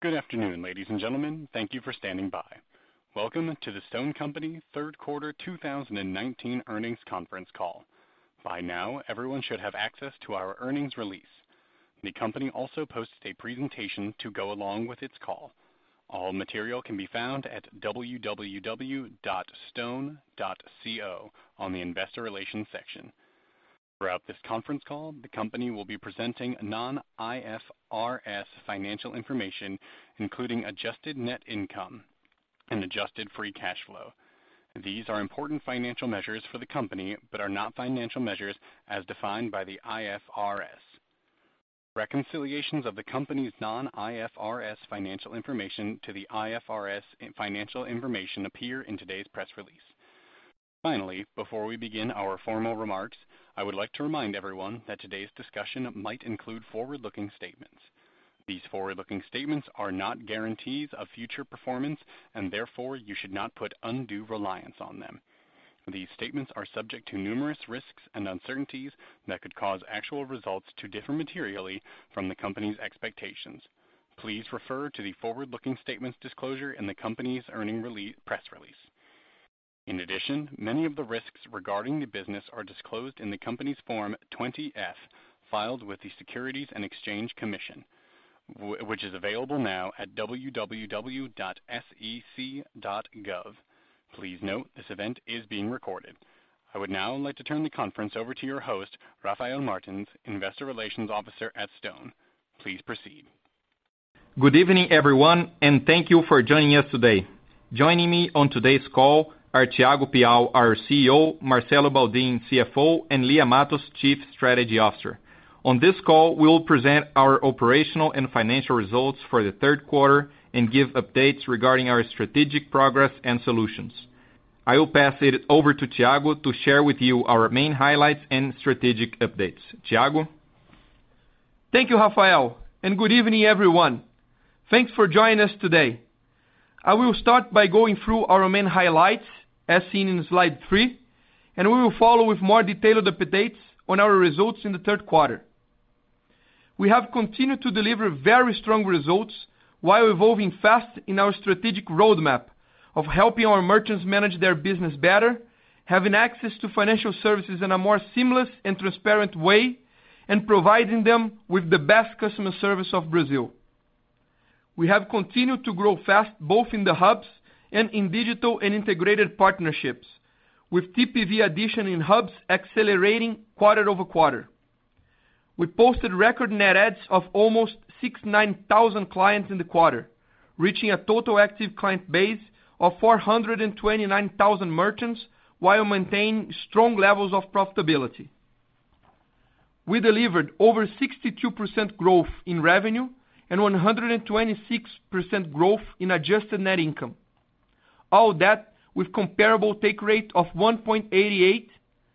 Good afternoon, ladies and gentlemen. Thank you for standing by. Welcome to Stone Company Third Quarter 2019 Earnings Conference Call. By now, everyone should have access to our earnings release. The company also posts a presentation to go along with its call. All material can be found at www.stone.co on the investor relations section. Throughout this conference call, the company will be presenting non-IFRS financial information, including adjusted net income and adjusted free cash flow. These are important financial measures for the company, but are not financial measures as defined by the IFRS. Reconciliations of the company's non-IFRS financial information to the IFRS financial information appear in today's press release. Finally, before we begin our formal remarks, I would like to remind everyone that today's discussion might include forward-looking statements. These forward-looking statements are not guarantees of future performance, and therefore, you should not put undue reliance on them. These statements are subject to numerous risks and uncertainties that could cause actual results to differ materially from the company's expectations. Please refer to the forward-looking statements disclosure in the company's press release. In addition, many of the risks regarding the business are disclosed in the company's Form 20-F filed with the Securities and Exchange Commission, which is available now at www.sec.gov. Please note this event is being recorded. I would now like to turn the conference over to your host, Rafael Martins, Investor Relations Officer at Stone. Please proceed. Good evening, everyone, and thank you for joining us today. Joining me on today's call are Thiago Piau, our CEO, Marcelo Baldin, CFO, and Lia Matos, Chief Strategy Officer. On this call, we will present our operational and financial results for the third quarter and give updates regarding our strategic progress and solutions. I will pass it over to Thiago to share with you our main highlights and strategic updates. Thiago. Thank you, Rafael. Good evening, everyone. Thanks for joining us today. I will start by going through our main highlights as seen in slide three. We will follow with more detailed updates on our results in the third quarter. We have continued to deliver very strong results while evolving fast in our strategic roadmap of helping our merchants manage their business better, having access to financial services in a more seamless and transparent way, and providing them with the best customer service of Brazil. We have continued to grow fast, both in the hubs and in digital and integrated partnerships, with TPV addition in hubs accelerating quarter-over-quarter. We posted record net adds of almost 69,000 clients in the quarter, reaching a total active client base of 429,000 merchants while maintaining strong levels of profitability. We delivered over 62% growth in revenue and 126% growth in adjusted net income. All that with comparable take rate of 1.88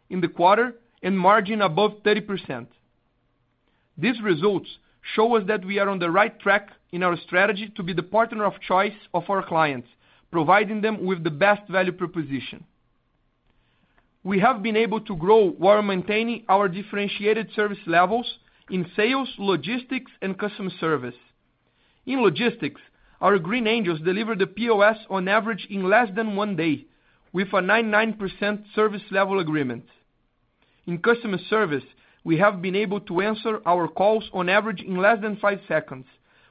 in the quarter and margin above 30%. These results show us that we are on the right track in our strategy to be the partner of choice of our clients, providing them with the best value proposition. We have been able to grow while maintaining our differentiated service levels in sales, logistics, and customer service. In logistics, our Green Angels deliver the POS on average in less than one day with a 99% service level agreement. In customer service, we have been able to answer our calls on average in less than five seconds,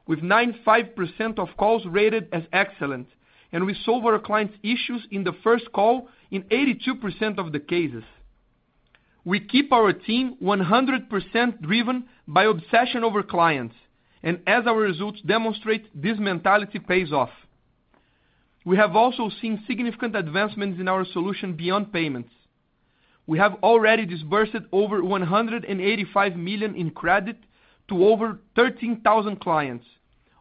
with 95% of calls rated as excellent, and we solve our clients' issues in the first call in 82% of the cases. We keep our team 100% driven by obsession over clients. As our results demonstrate, this mentality pays off. We have also seen significant advancements in our solution beyond payments. We have already disbursed over 185 million in credit to over 13,000 clients,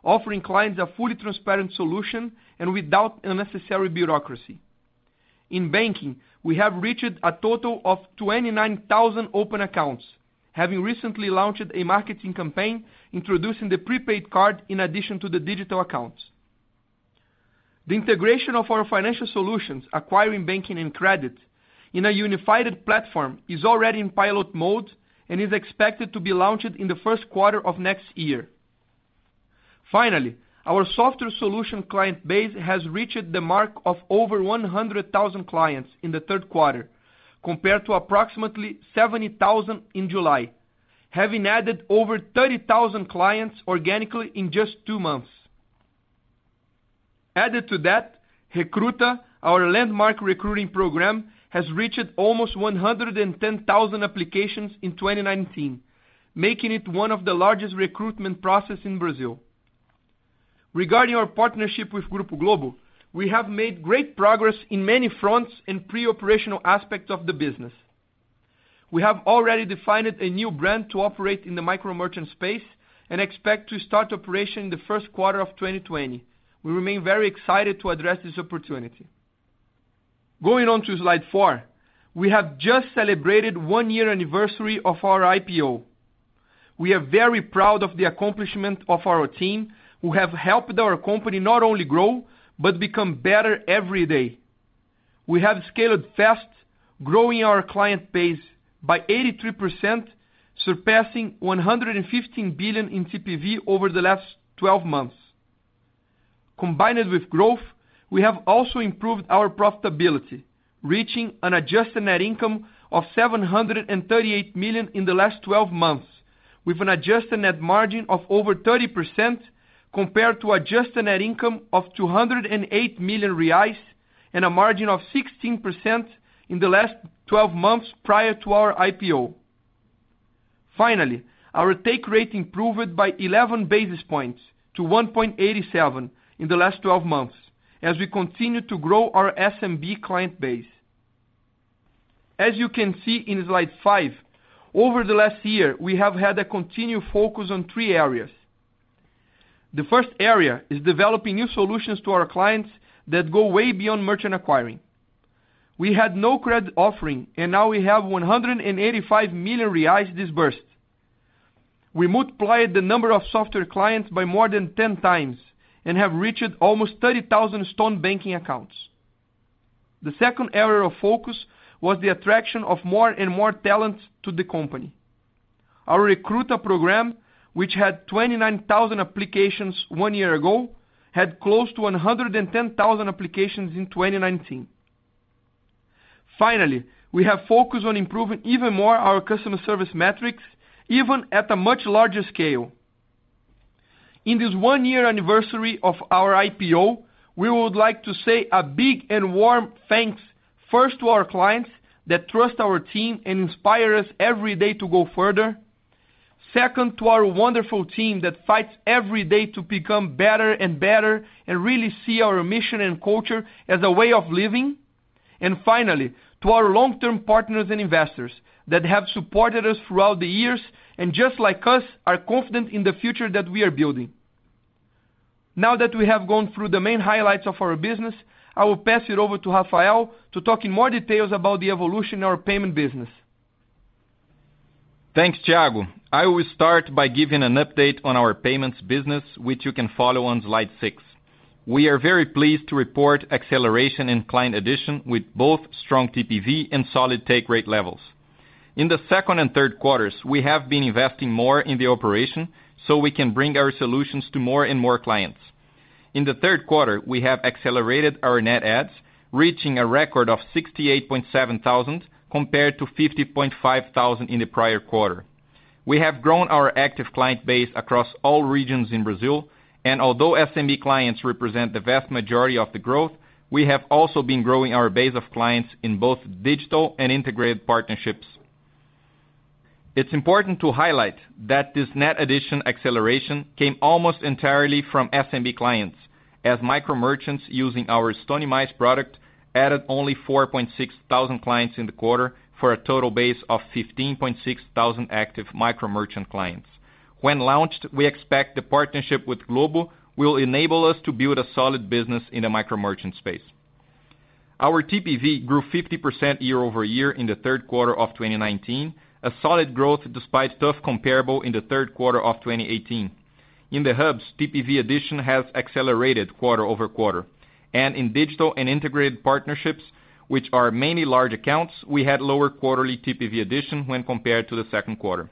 offering clients a fully transparent solution and without unnecessary bureaucracy. In banking, we have reached a total of 29,000 open accounts, having recently launched a marketing campaign introducing the prepaid card in addition to the digital accounts. The integration of our financial solutions, acquiring banking and credit in a unified platform, is already in pilot mode and is expected to be launched in the first quarter of next year. Finally, our software solution client base has reached the mark of over 100,000 clients in the third quarter, compared to approximately 70,000 in July, having added over 30,000 clients organically in just two months. Added to that, Recruta, our landmark recruiting program, has reached almost 110,000 applications in 2019, making it one of the largest recruitment process in Brazil. Regarding our partnership with Grupo Globo, we have made great progress on many fronts and pre-operational aspects of the business. We have already defined a new brand to operate in the micro-merchant space and expect to start operation in the first quarter of 2020. We remain very excited to address this opportunity. Going on to slide four. We have just celebrated the one year anniversary of our IPO. We are very proud of the accomplishment of our team, who have helped our company not only grow but become better every day. We have scaled fast, growing our client base by 83%, surpassing 115 billion in TPV over the last 12 months. Combined with growth, we have also improved our profitability, reaching an adjusted net income of 738 million in the last 12 months, with an adjusted net margin of over 30%, compared to adjusted net income of 208 million reais and a margin of 16% in the last 12 months prior to our IPO. Finally, our take rate improved by 11 basis points to 1.87% in the last 12 months as we continued to grow our SMB client base. As you can see in slide five, over the last year, we have had a continued focus on three areas. The first area is developing new solutions to our clients that go way beyond merchant acquiring. We had no credit offering, and now we have 185 million reais disbursed. We multiplied the number of software clients by more than 10 times and have reached almost 30,000 Stone banking accounts. The second area of focus was the attraction of more and more talent to the company. Our Recruta program, which had 29,000 applications one year ago, had close to 110,000 applications in 2019. We have focused on improving even more our customer service metrics, even at a much larger scale. In this one-year anniversary of our IPO, we would like to say a big and warm thanks, first to our clients that trust our team and inspire us every day to go further. To our wonderful team that fights every day to become better and better and really see our mission and culture as a way of living. Finally, to our long-term partners and investors that have supported us throughout the years and just like us, are confident in the future that we are building. Now that we have gone through the main highlights of our business, I will pass it over to Rafael to talk in more details about the evolution in our payment business. Thanks, Thiago. I will start by giving an update on our payments business, which you can follow on slide six. We are very pleased to report acceleration in client addition with both strong TPV and solid take-rate levels. In the second and third quarters, we have been investing more in the operation so we can bring our solutions to more and more clients. In the third quarter, we have accelerated our net adds, reaching a record of 68,700 compared to 50,500 in the prior quarter. We have grown our active client base across all regions in Brazil, and although SMB clients represent the vast majority of the growth, we have also been growing our base of clients in both digital and integrated partnerships. It's important to highlight that this net addition acceleration came almost entirely from SMB clients, as micro merchants using our Stone Mais product added only 4,600 clients in the quarter for a total base of 15,600 active micro merchant clients. When launched, we expect the partnership with Globo will enable us to build a solid business in the micro merchant space. Our TPV grew 50% year-over-year in the third quarter of 2019, a solid growth despite tough comparable in the third quarter of 2018. In the hubs, TPV addition has accelerated quarter-over-quarter. In digital and integrated partnerships, which are mainly large accounts, we had lower quarterly TPV addition when compared to the second quarter.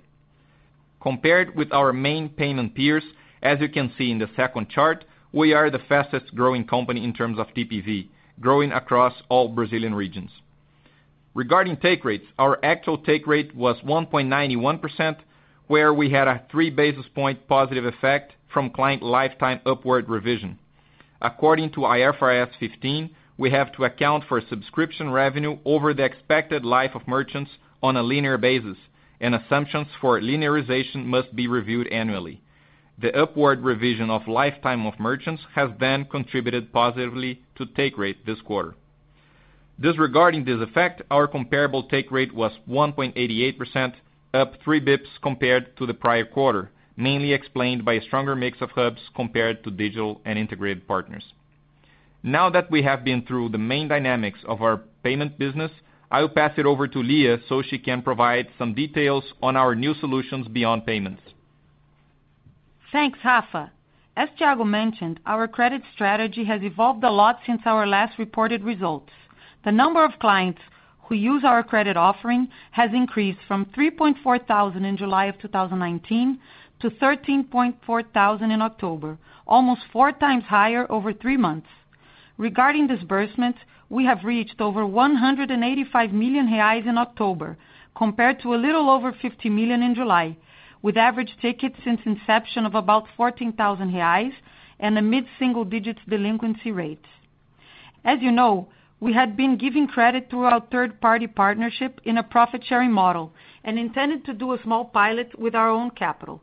Compared with our main payment peers, as you can see in the second chart, we are the fastest growing company in terms of TPV, growing across all Brazilian regions. Regarding take rates, our actual take rate was 1.91%, where we had a three basis points positive effect from client lifetime upward revision. According to IFRS 15, we have to account for subscription revenue over the expected life of merchants on a linear basis, and assumptions for linearization must be reviewed annually. The upward revision of lifetime of merchants has contributed positively to take rate this quarter. Disregarding this effect, our comparable take rate was 1.88%, up three basis points compared to the prior quarter, mainly explained by a stronger mix of hubs compared to digital and integrated partners. Now that we have been through the main dynamics of our payment business, I will pass it over to Lia so she can provide some details on our new solutions beyond payments. Thanks, Rafa. As Thiago mentioned, our credit strategy has evolved a lot since our last reported results. The number of clients who use our credit offering has increased from 3,400 in July 2019 to 13,400 in October, almost four times higher over three months. Regarding disbursements, we have reached over 185 million reais in October, compared to a little over 50 million in July, with average ticket since inception of about 14,000 reais and a mid-single-digit delinquency rate. As you know, we had been giving credit through our third-party partnership in a profit-sharing model and intended to do a small pilot with our own capital.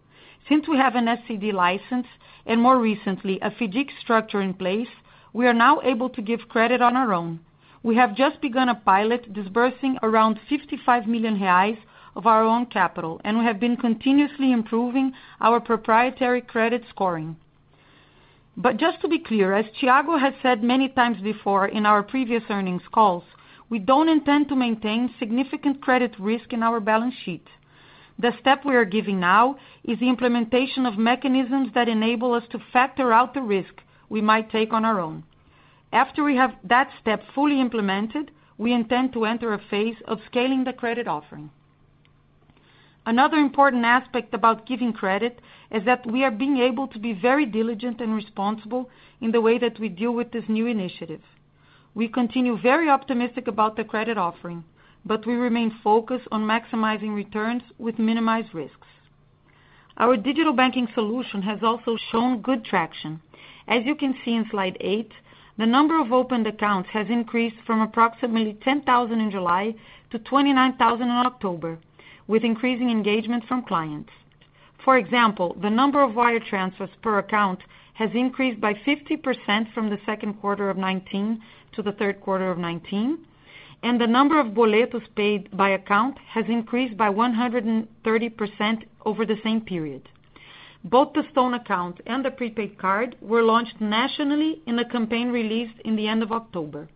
Since we have an SCD license and more recently, a FIDC structure in place, we are now able to give credit on our own. We have just begun a pilot disbursing around 55 million reais of our own capital, and we have been continuously improving our proprietary credit scoring. Just to be clear, as Thiago has said many times before in our previous earnings calls. We don't intend to maintain significant credit risk in our balance sheet. The step we are giving now is the implementation of mechanisms that enable us to factor out the risk we might take on our own. After we have that step fully implemented, we intend to enter a phase of scaling the credit offering. Another important aspect about giving credit is that we are being able to be very diligent and responsible in the way that we deal with this new initiative. We continue very optimistic about the credit offering, but we remain focused on maximizing returns with minimized risks. Our digital banking solution has also shown good traction. You can see in slide eight, the number of opened accounts has increased from approximately 10,000 in July to 29,000 in October, with increasing engagement from clients. For example, the number of wire transfers per account has increased by 50% from the second quarter of 2019 to the third quarter of 2019, and the number of boletos paid by account has increased by 130% over the same period. Both the Stone account and the prepaid card were launched nationally in a campaign released in the end of October.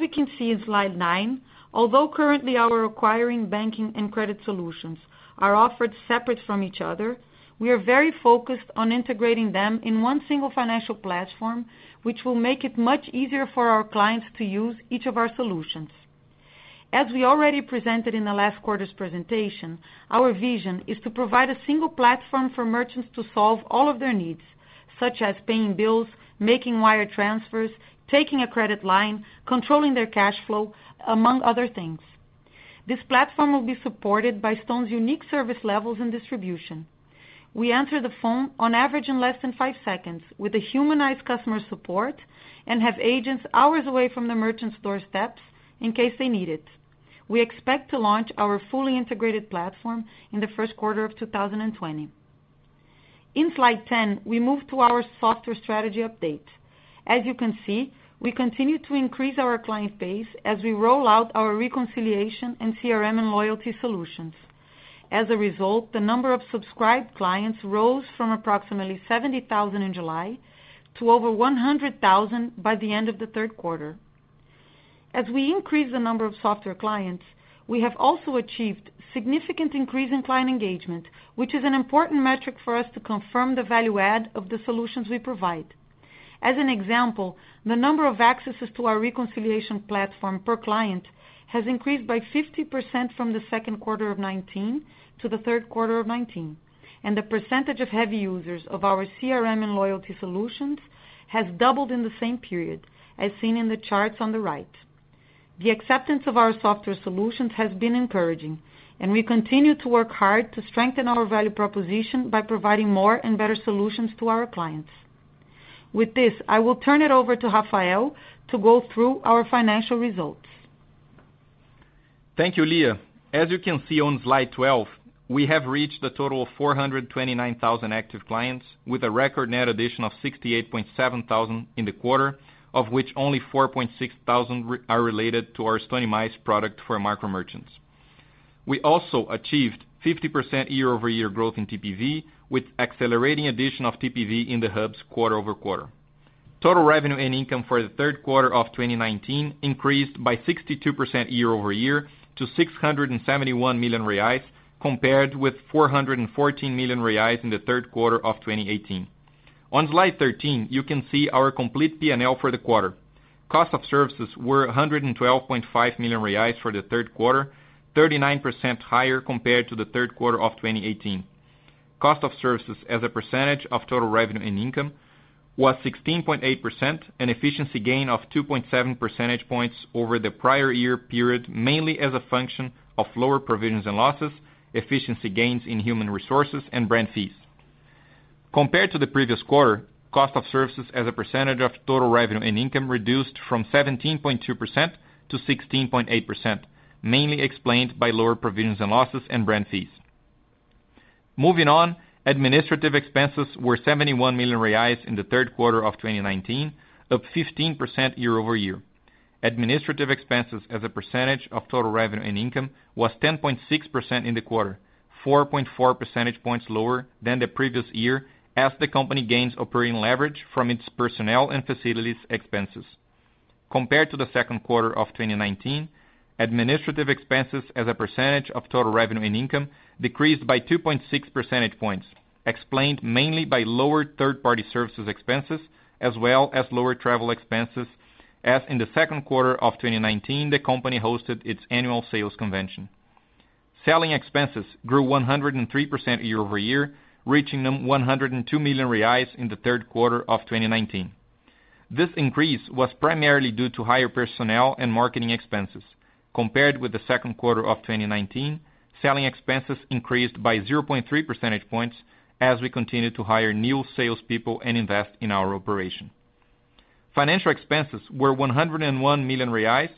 We can see in slide nine, although currently our acquiring, banking, and credit solutions are offered separate from each other, we are very focused on integrating them in one single financial platform, which will make it much easier for our clients to use each of our solutions. As we already presented in the last quarter's presentation, our vision is to provide a single platform for merchants to solve all of their needs, such as paying bills, making wire transfers, taking a credit line, controlling their cash flow, among other things. This platform will be supported by Stone's unique service levels and distribution. We answer the phone, on average, in less than five seconds with a humanized customer support and have agents hours away from the merchant's doorsteps in case they need it. We expect to launch our fully integrated platform in the first quarter of 2020. In slide 10, we move to our software strategy update. As you can see, we continue to increase our client base as we roll out our reconciliation and CRM and loyalty solutions. As a result, the number of subscribed clients rose from approximately 70,000 in July to over 100,000 by the end of the third quarter. As we increase the number of software clients, we have also achieved significant increase in client engagement, which is an important metric for us to confirm the value add of the solutions we provide. As an example, the number of accesses to our reconciliation platform per client has increased by 50% from the second quarter of 2019 to the third quarter of 2019, and the percentage of heavy users of our CRM and loyalty solutions has doubled in the same period, as seen in the charts on the right. The acceptance of our software solutions has been encouraging, and we continue to work hard to strengthen our value proposition by providing more and better solutions to our clients. With this, I will turn it over to Rafael to go through our financial results. Thank you, Lia. As you can see on slide 12, we have reached a total of 429,000 active clients with a record net addition of 68.7 thousand in the quarter, of which only 4.6 thousand are related to our Stone Mais product for micro merchants. We also achieved 50% year-over-year growth in TPV, with accelerating addition of TPV in the hubs quarter-over-quarter. Total revenue and income for the third quarter of 2019 increased by 62% year-over-year to 671 million reais, compared with 414 million reais in the third quarter of 2018. On slide 13, you can see our complete P&L for the quarter. Cost of services were 112.5 million reais for the third quarter, 39% higher compared to the third quarter of 2018. Cost of services as a percentage of total revenue and income was 16.8%, an efficiency gain of 2.7 percentage points over the prior year period, mainly as a function of lower provisions and losses, efficiency gains in human resources, and brand fees. Compared to the previous quarter, cost of services as a percentage of total revenue and income reduced from 17.2% to 16.8%, mainly explained by lower provisions and losses and brand fees. Moving on, administrative expenses were 71 million reais in the third quarter of 2019, up 15% year-over-year. Administrative expenses as a percentage of total revenue and income was 10.6% in the quarter, 4.4 percentage points lower than the previous year as the company gains operating leverage from its personnel and facilities expenses. Compared to the second quarter of 2019, administrative expenses as a percentage of total revenue and income decreased by 2.6 percentage points, explained mainly by lower third-party services expenses as well as lower travel expenses, as in the second quarter of 2019, the company hosted its annual sales convention. Selling expenses grew 103% year-over-year, reaching 102 million reais in the third quarter of 2019. This increase was primarily due to higher personnel and marketing expenses. Compared with the second quarter of 2019, selling expenses increased by 0.3 percentage points as we continued to hire new salespeople and invest in our operation. Financial expenses were 101 million reais,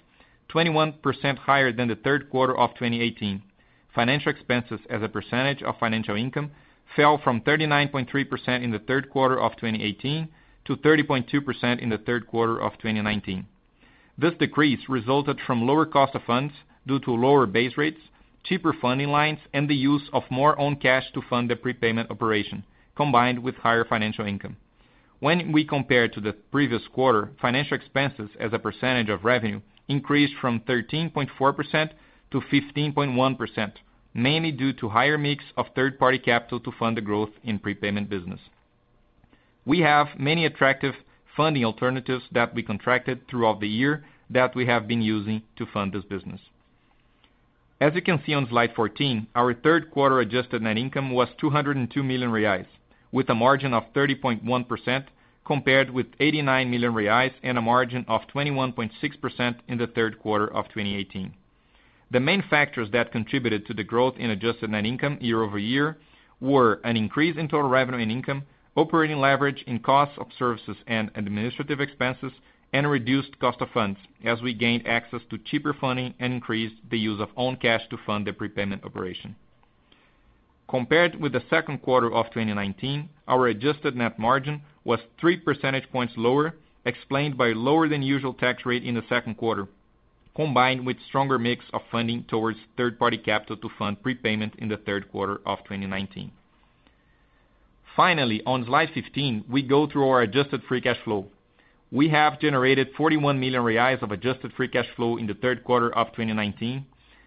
21% higher than the third quarter of 2018. Financial expenses as a percentage of financial income fell from 39.3% in the third quarter of 2018 to 30.2% in the third quarter of 2019. This decrease resulted from lower cost of funds due to lower base rates, cheaper funding lines, and the use of more own cash to fund the prepayment operation, combined with higher financial income. When we compare to the previous quarter, financial expenses as a percentage of revenue increased from 13.4% to 15.1%, mainly due to higher mix of third-party capital to fund the growth in prepayment business. We have many attractive funding alternatives that we contracted throughout the year that we have been using to fund this business. As you can see on slide 14, our third quarter adjusted net income was 202 million reais, with a margin of 30.1%, compared with 89 million reais and a margin of 21.6% in the third quarter of 2018. The main factors that contributed to the growth in adjusted net income year-over-year were an increase in total revenue and income, operating leverage in cost of services and administrative expenses, and reduced cost of funds as we gained access to cheaper funding and increased the use of own cash to fund the prepayment operation. Compared with the second quarter of 2019, our adjusted net margin was 3 percentage points lower, explained by lower than usual tax rate in the second quarter, combined with stronger mix of funding towards third-party capital to fund prepayment in the third quarter of 2019. Finally, on slide 15, we go through our adjusted free cash flow. We have generated 41 million reais of adjusted free cash flow in the third quarter of 2019.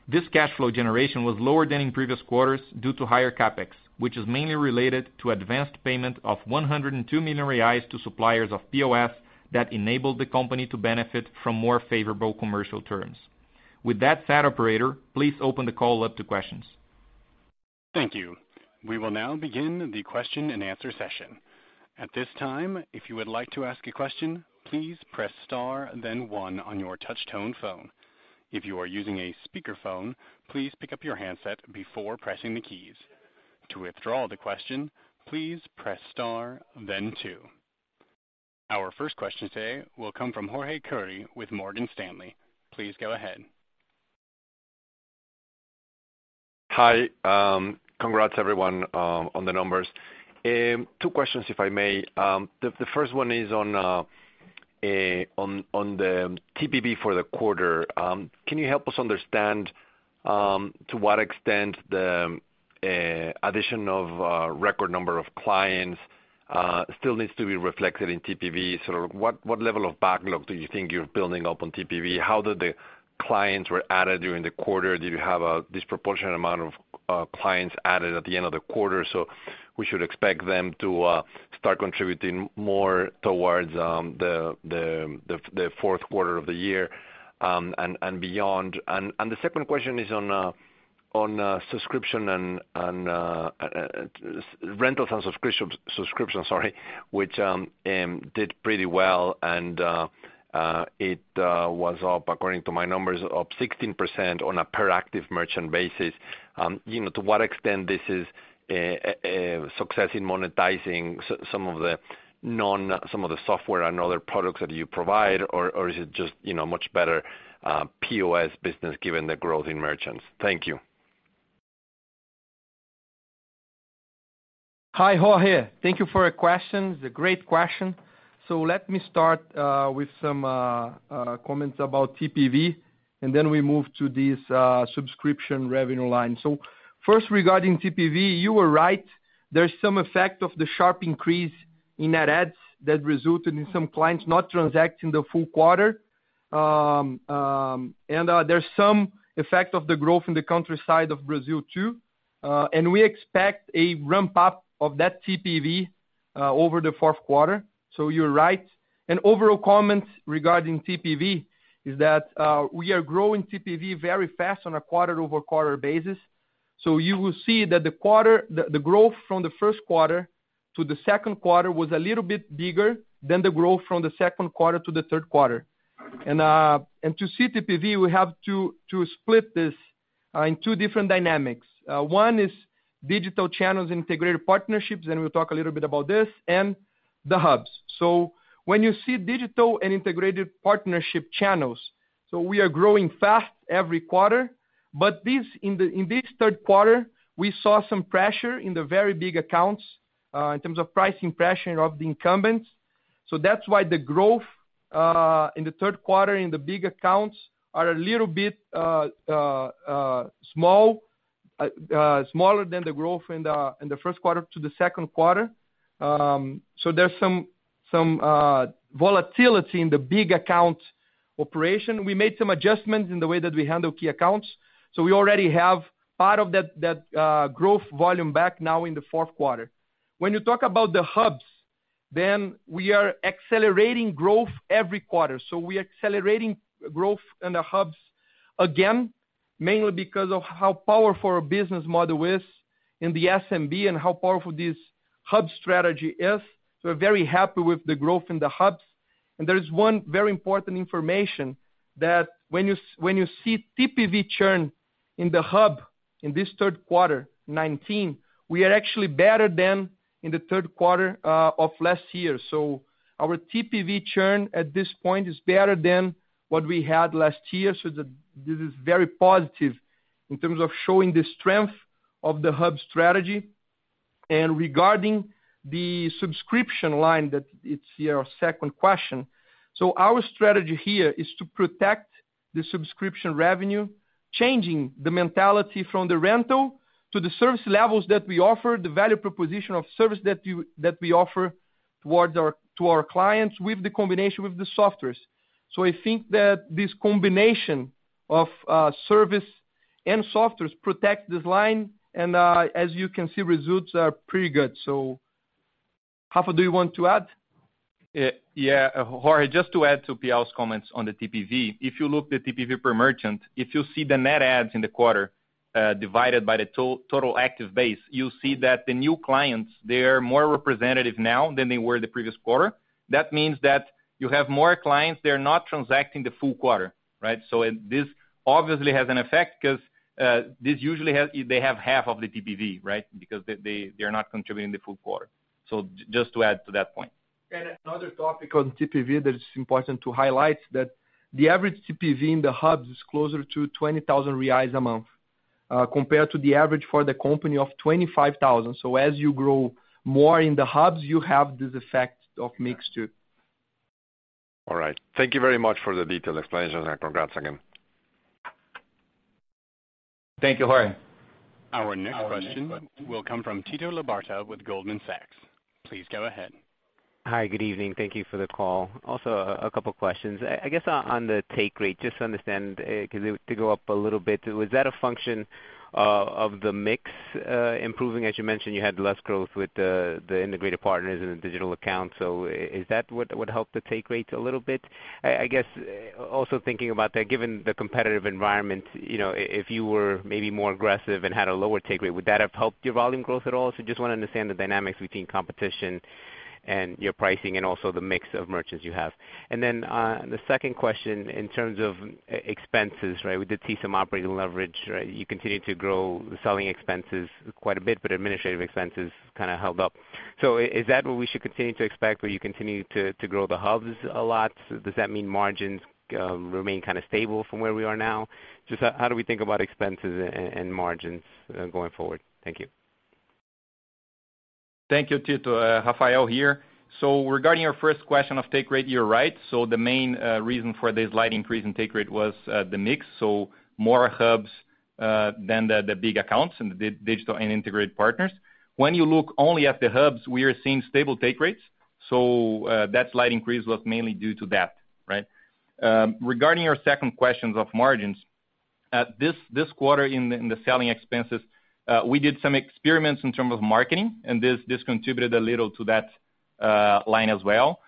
This cash flow generation was lower than in previous quarters due to higher CapEx, which is mainly related to advanced payment of 102 million reais to suppliers of POS that enabled the company to benefit from more favorable commercial terms. With that said, operator, please open the call up to questions. Thank you. We will now begin the question-and-answer session. At this time, if you would like to ask a question, please press star then one on your touch tone phone. If you are using a speakerphone, please pick up your handset before pressing the keys. To withdraw the question, please press star then two. Our first question today will come from Jorge Kuri with Morgan Stanley. Please go ahead. Hi. Congrats everyone, on the numbers. Two questions if I may. The first one is on the TPV for the quarter. Can you help us understand, to what extent the addition of a record number of clients still needs to be reflected in TPV? Sort of what level of backlog do you think you're building up on TPV? How did the clients were added during the quarter? Did you have a disproportionate amount of clients added at the end of the quarter, so we should expect them to start contributing more towards the fourth quarter of the year and beyond? The second question is on rentals and subscriptions, sorry, which did pretty well and it was up, according to my numbers, up 16% on a per active merchant basis. To what extent this is a success in monetizing some of the software and other products that you provide? Is it just much better POS business given the growth in merchants? Thank you. Hi, Jorge. Thank you for your questions. Great question. Let me start with some comments about TPV, then we move to this subscription revenue line. First, regarding TPV, you were right. There's some effect of the sharp increase in net adds that resulted in some clients not transacting the full quarter. There's some effect of the growth in the countryside of Brazil too. We expect a ramp-up of that TPV over the fourth quarter. You're right. Overall comments regarding TPV is that we are growing TPV very fast on a quarter-over-quarter basis. You will see that the growth from the first quarter to the second quarter was a little bit bigger than the growth from the second quarter to the third quarter. To see TPV, we have to split this in two different dynamics. One is digital channels integrated partnerships, and we'll talk a little bit about this, and the hubs. When you see digital and integrated partnership channels, so we are growing fast every quarter. In this third quarter, we saw some pressure in the very big accounts, in terms of pricing pressure of the incumbents. That's why the growth, in the third quarter in the big accounts are a little bit smaller than the growth in the first quarter to the second quarter. There's some volatility in the big account operation. We made some adjustments in the way that we handle key accounts, so we already have part of that growth volume back now in the fourth quarter. When you talk about the hubs, then we are accelerating growth every quarter. We are accelerating growth in the hubs again, mainly because of how powerful our business model is in the SMB and how powerful this hub strategy is. We're very happy with the growth in the hubs. There is one very important information that when you see TPV churn in the hub in this third quarter 2019, we are actually better than in the third quarter of last year. Our TPV churn at this point is better than what we had last year. This is very positive in terms of showing the strength of the hub strategy. Regarding the subscription line that it's your second question. Our strategy here is to protect the subscription revenue, changing the mentality from the rental To the service levels that we offer, the value proposition of service that we offer to our clients with the combination with the software. I think that this combination of service and software protects this line, and as you can see, results are pretty good. Rafael, do you want to add? Yeah. Jorge, just to add to Piau's comments on the TPV. If you look the TPV per merchant, if you see the net adds in the quarter divided by the total active base, you'll see that the new clients, they are more representative now than they were the previous quarter. That means that you have more clients that are not transacting the full quarter, right? This obviously has an effect because they usually have half of the TPV, right? They're not contributing the full quarter. Just to add to that point. Another topic on TPV that is important to highlight, that the average TPV in the hubs is closer to 20,000 reais a month compared to the average for the company of 25,000. As you grow more in the hubs, you have this effect of mix too. All right. Thank you very much for the detailed explanation, and congrats again. Thank you, Jorge. Our next question will come from Tito Labarta with Goldman Sachs. Please go ahead. Hi. Good evening. Thank you for the call. A couple questions. I guess, on the take rate, just to understand, because to go up a little bit, was that a function of the mix improving? As you mentioned, you had less growth with the integrated partners and the digital accounts. Is that what helped the take rates a little bit? I guess also thinking about that, given the competitive environment, if you were maybe more aggressive and had a lower take rate, would that have helped your volume growth at all? Just want to understand the dynamics between competition and your pricing and also the mix of merchants you have. The second question in terms of expenses, right? We did see some operating leverage, right? You continue to grow selling expenses quite a bit, but administrative expenses kind of held up. Is that what we should continue to expect where you continue to grow the hubs a lot? Does that mean margins remain stable from where we are now? How do we think about expenses and margins going forward? Thank you. Thank you, Tito. Rafael here. Regarding your first question of take rate, you're right. The main reason for this slight increase in take rate was the mix. More hubs than the big accounts and the digital and integrated partners. When you look only at the hubs, we are seeing stable take rates. That slight increase was mainly due to that, right? Regarding your second questions of margins. This quarter in the selling expenses, we did some experiments in terms of marketing, and this contributed a little to that line as well.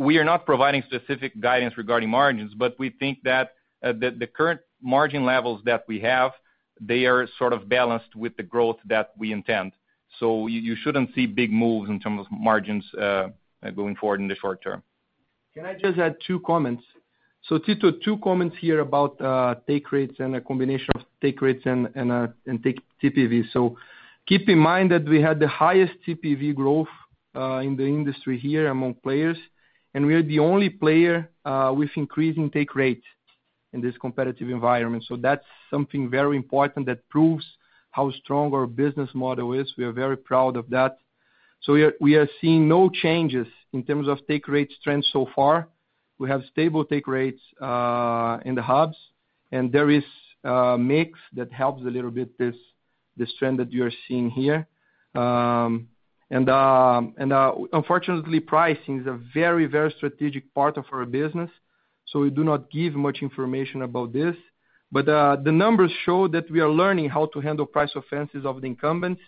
We are not providing specific guidance regarding margins, but we think that the current margin levels that we have, they are sort of balanced with the growth that we intend. You shouldn't see big moves in terms of margins going forward in the short term. Can I just add two comments? Tito, two comments here about take rates and a combination of take rates and TPV. Keep in mind that we had the highest TPV growth in the industry here among players, and we are the only player with increasing take rate in this competitive environment. That's something very important that proves how strong our business model is. We are very proud of that. We are seeing no changes in terms of take rate trends so far. We have stable take rates in the hubs, and there is a mix that helps a little bit this trend that you're seeing here. Unfortunately, pricing is a very, very strategic part of our business, so we do not give much information about this. The numbers show that we are learning how to handle price offenses of the incumbents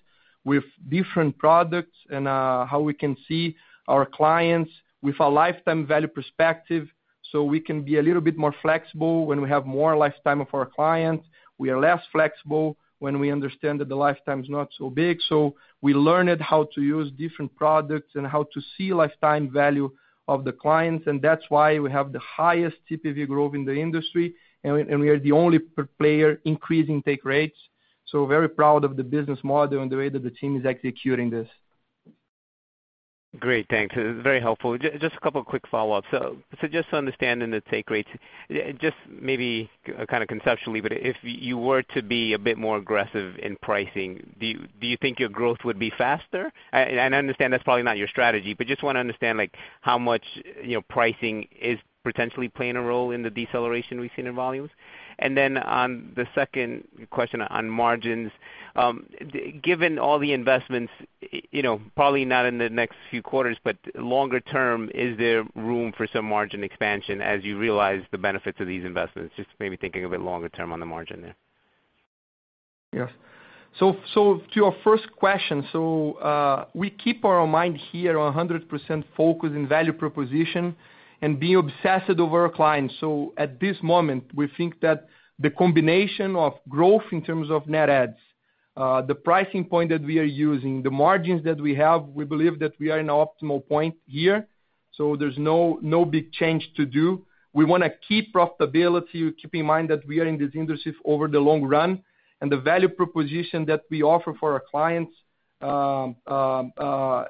with different products and how we can see our clients with a lifetime value perspective, so we can be a little bit more flexible when we have more lifetime of our clients. We are less flexible when we understand that the lifetime is not so big. We learned how to use different products and how to see lifetime value of the clients, and that's why we have the highest TPV growth in the industry, and we are the only player increasing take rates. Very proud of the business model and the way that the team is executing this. Great. Thanks. Very helpful. Just a couple of quick follow-ups. Just to understand in the take rates, just maybe conceptually, but if you were to be a bit more aggressive in pricing, do you think your growth would be faster? I understand that's probably not your strategy, but just want to understand how much pricing is potentially playing a role in the deceleration we've seen in volumes. On the second question on margins. Given all the investments, probably not in the next few quarters, but longer term, is there room for some margin expansion as you realize the benefits of these investments? Just maybe thinking a bit longer term on the margin there. Yes. To your first question. We keep our mind here 100% focused in value proposition and being obsessed over our clients. At this moment, we think that the combination of growth in terms of net adds, the pricing point that we are using, the margins that we have, we believe that we are in an optimal point here. There's no big change to do. We want to keep profitability. Keep in mind that we are in this industry over the long run, and the value proposition that we offer for our clients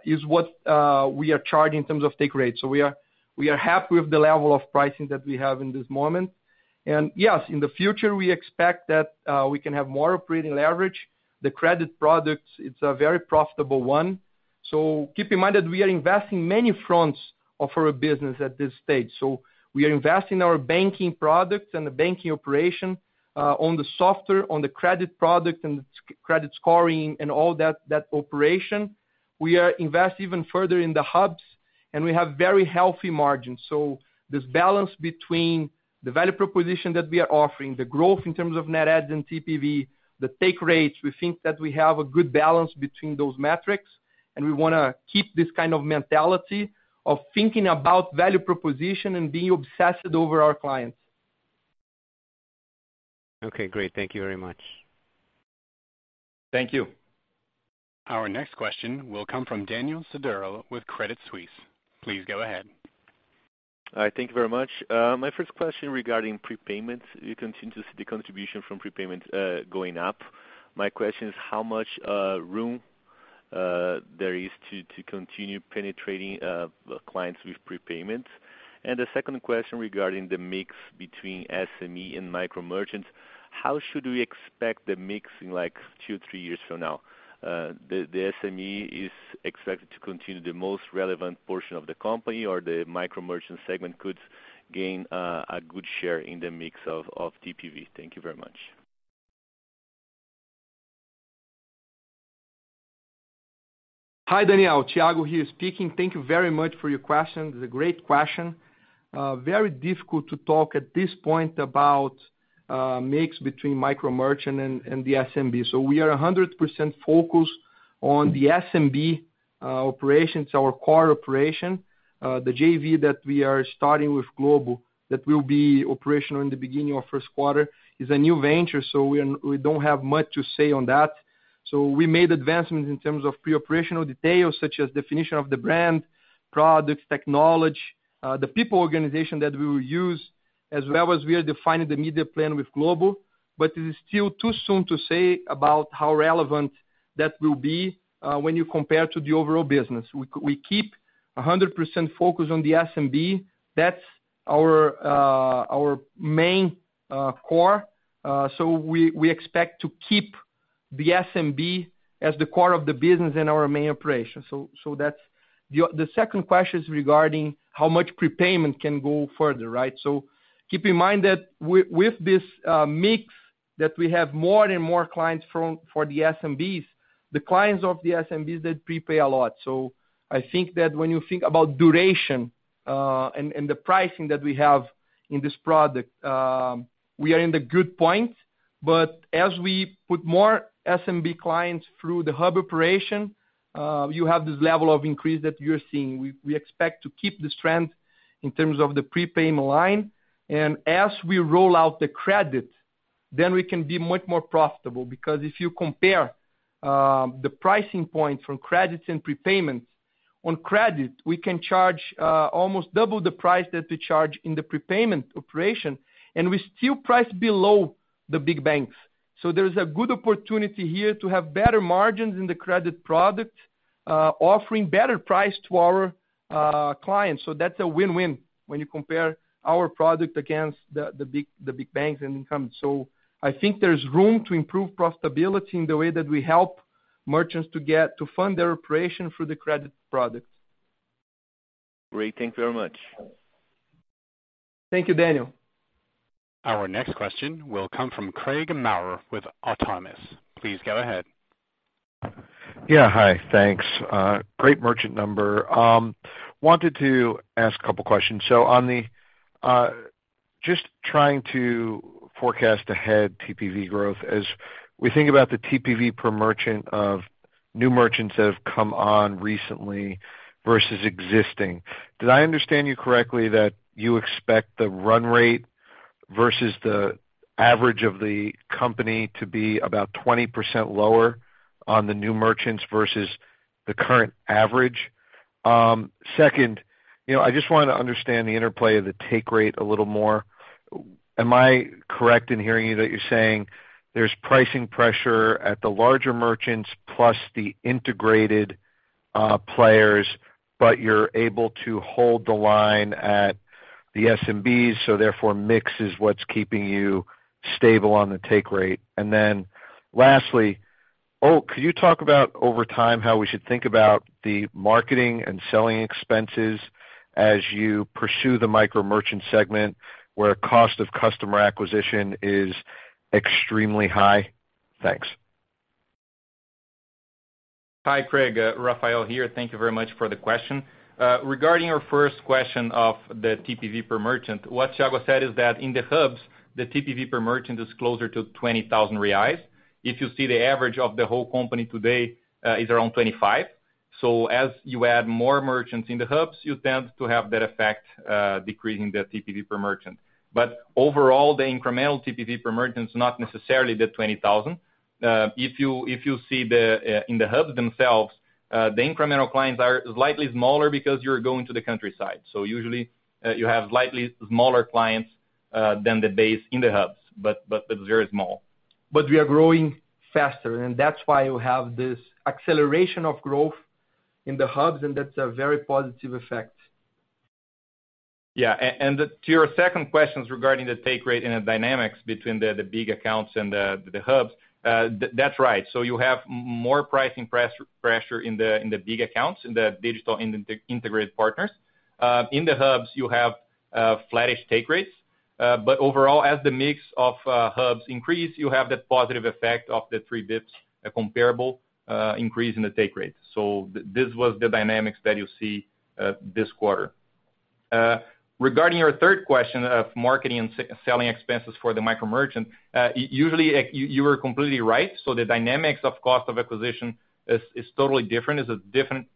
is what we are charging in terms of take rate. We are happy with the level of pricing that we have in this moment. Yes, in the future, we expect that we can have more operating leverage. The credit products, it's a very profitable one. Keep in mind that we are investing many fronts of our business at this stage. We are investing our banking products and the banking operation, on the software, on the credit product and credit scoring and all that operation. We are investing even further in the hubs, and we have very healthy margins. This balance between the value proposition that we are offering, the growth in terms of net adds and TPV, the take rates, we think that we have a good balance between those metrics, and we want to keep this kind of mentality of thinking about value proposition and being obsessed over our clients. Okay, great. Thank you very much. Thank you. Our next question will come from Daniel Suder with Credit Suisse. Please go ahead. All right. Thank you very much. My first question regarding prepayment. You continue to see the contribution from prepayment going up. My question is how much room there is to continue penetrating clients with prepayment? The second question regarding the mix between SME and micro merchants, how should we expect the mix in two, three years from now? The SME is expected to continue the most relevant portion of the company or the micro merchant segment could gain a good share in the mix of TPV. Thank you very much. Hi, Daniel. Thiago here speaking. Thank you very much for your question. It's a great question. Very difficult to talk at this point about a mix between micro merchant and the SMB. We are 100% focused on the SMB operations, our core operation. The JV that we are starting with Globo that will be operational in the beginning of first quarter is a new venture, so we don't have much to say on that. We made advancements in terms of pre-operational details such as definition of the brand, products, technology, the people organization that we will use, as well as we are defining the media plan with Globo. It is still too soon to say about how relevant that will be when you compare to the overall business. We keep 100% focus on the SMB. That's our main core. We expect to keep the SMB as the core of the business and our main operation. The second question is regarding how much prepayment can go further, right? Keep in mind that with this mix that we have more and more clients for the SMBs, the clients of the SMBs, they prepay a lot. I think that when you think about duration, and the pricing that we have in this product, we are in the good point. As we put more SMB clients through the hub operation, you have this level of increase that you're seeing. We expect to keep the strength in terms of the prepayment line. As we roll out the credit, then we can be much more profitable because if you compare the pricing point from credits and prepayments, on credit, we can charge almost double the price that we charge in the prepayment operation, and we still price below the big banks. There's a good opportunity here to have better margins in the credit product, offering better price to our clients. That's a win-win when you compare our product against the big banks and incumbents. I think there's room to improve profitability in the way that we help merchants to get to fund their operation through the credit product. Great. Thank you very much. Thank you, Daniel. Our next question will come from Craig Maurer with Autonomous. Please go ahead. Hi. Thanks. Great merchant number. I wanted to ask a couple questions. Just trying to forecast ahead TPV growth as we think about the TPV per merchant of new merchants that have come on recently versus existing. Did I understand you correctly that you expect the run rate versus the average of the company to be about 20% lower on the new merchants versus the current average? Second, I just want to understand the interplay of the take rate a little more. Am I correct in hearing you that you're saying there's pricing pressure at the larger merchants plus the integrated players, but you're able to hold the line at the SMBs, so therefore mix is what's keeping you stable on the take rate? Lastly, could you talk about over time how we should think about the marketing and selling expenses as you pursue the micro-merchant segment where cost of customer acquisition is extremely high? Thanks. Hi, Craig. Rafael here. Thank you very much for the question. Regarding your first question of the TPV per merchant, what Thiago said is that in the hubs, the TPV per merchant is closer to 20,000 reais. If you see the average of the whole company today, is around 25,000. As you add more merchants in the hubs, you tend to have that effect, decreasing the TPV per merchant. Overall, the incremental TPV per merchant is not necessarily the 20,000. If you see in the hubs themselves, the incremental clients are slightly smaller because you're going to the countryside. Usually, you have slightly smaller clients than the base in the hubs. It's very small. We are growing faster, and that's why you have this acceleration of growth in the hubs, and that's a very positive effect. To your second question regarding the take rate and the dynamics between the big accounts and the hubs, that's right. You have more pricing pressure in the big accounts, in the digital integrated partners. In the hubs, you have flattish take rates. Overall, as the mix of hubs increase, you have that positive effect of the 3 basis points comparable increase in the take rate. This was the dynamics that you see this quarter. Regarding your third question of marketing and selling expenses for the micro merchant, you are completely right. The dynamics of cost of acquisition is totally different, is a different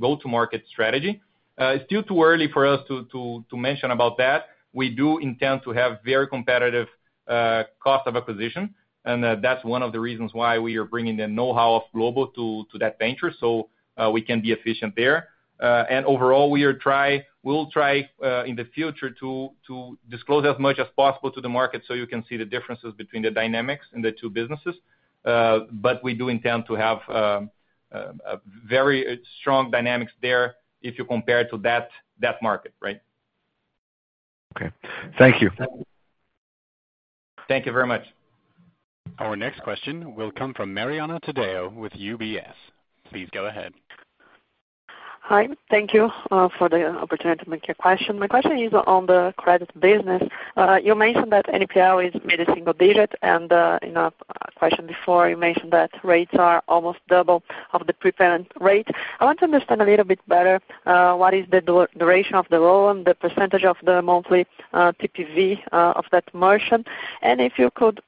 go-to-market strategy. It's still too early for us to mention about that. We do intend to have very competitive cost of acquisition, that's one of the reasons why we are bringing the know-how of Globo to that venture, so we can be efficient there. Overall, we'll try in the future to disclose as much as possible to the market so you can see the differences between the dynamics in the two businesses. We do intend to have very strong dynamics there if you compare it to that market, right? Okay. Thank you. Thank you very much. Our next question will come from Mariana Taddeo with UBS. Please go ahead. Hi. Thank you for the opportunity to make a question. My question is on the credit business. You mentioned that NPL is mid-single-digit, and in a question before, you mentioned that rates are almost double of the prevalent rate. I want to understand a little bit better what is the duration of the loan, the percentage of the monthly TPV of that merchant. If you could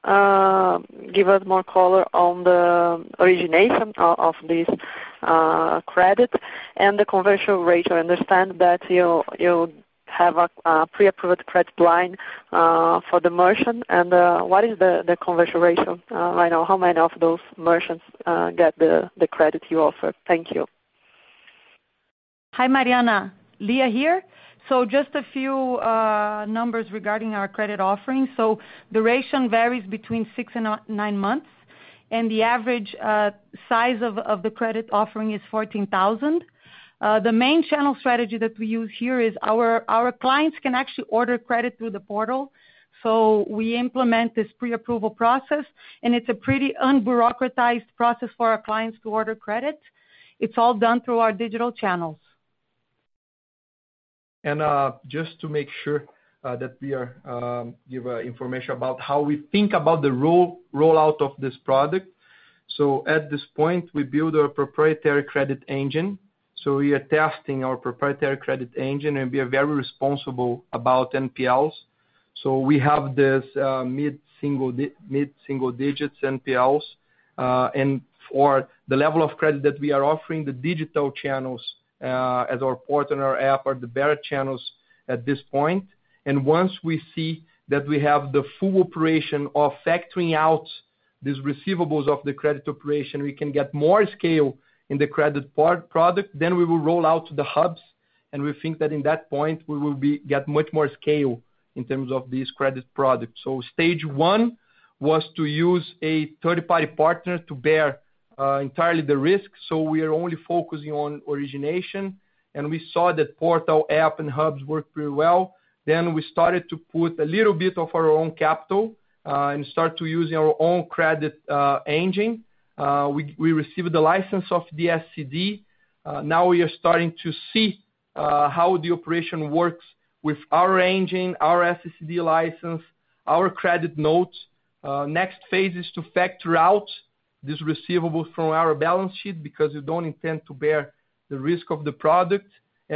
give us more color on the origination of these credit and the conversion rate. I understand that you have a pre-approved credit line for the merchant. What is the conversion ratio right now? How many of those merchants get the credit you offer? Thank you. Hi, Mariana. Lia here. Just a few numbers regarding our credit offering. Duration varies between six and nine months, and the average size of the credit offering is 14,000. The main channel strategy that we use here is our clients can actually order credit through the portal. We implement this pre-approval process, and it's a pretty un-bureaucratized process for our clients to order credit. It's all done through our digital channels. Just to make sure that we give information about how we think about the rollout of this product. At this point, we build our proprietary credit engine. We are testing our proprietary credit engine, and we are very responsible about NPLs. We have this mid-single digits NPLs. For the level of credit that we are offering, the digital channels as our portal and our app are the better channels at this point. Once we see that we have the full operation of factoring out these receivables of the credit operation, we can get more scale in the credit product, we will roll out to the hubs, we think that in that point, we will get much more scale in terms of these credit products. Stage 1 was to use a third-party partner to bear entirely the risk. We are only focusing on origination. We saw that portal, app, and hubs work pretty well. We started to put a little bit of our own capital and start to use our own credit engine. We received the license of the SCD. Now we are starting to see how the operation works with our engine, our SCD license, our credit notes. Next phase is to factor out this receivable from our balance sheet because we don't intend to bear the risk of the product.